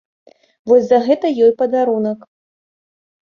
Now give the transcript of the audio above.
Вось за гэта ёй падарунак.